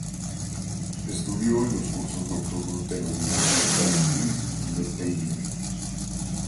Estudió en los cursos nocturnos de la Universidad Valentín Letelier.